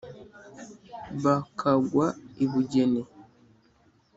Bakagwa i Bugeni.